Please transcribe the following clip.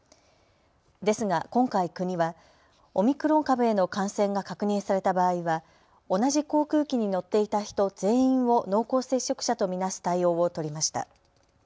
ですが今回、国はオミクロン株への感染が確認された場合は同じ航空機に乗っていた人全員を濃厚接触者と見なす対応を取りました。